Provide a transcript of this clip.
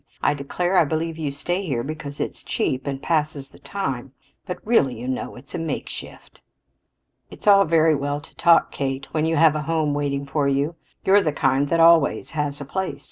I declare I believe you stay here because it's cheap and passes the time; but really, you know, it's a makeshift." "It's all very well to talk, Kate, when you have a home waiting for you. You're the kind that always has a place.